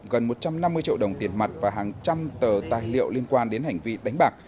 gần một trăm năm mươi triệu đồng tiền mặt và hàng trăm tờ tài liệu liên quan đến hành vi đánh bạc